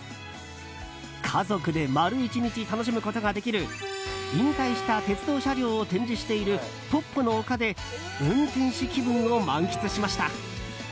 家族で丸１日楽しむことができる引退した鉄道車両を展示しているポッポの丘で運転士気分を満喫しました。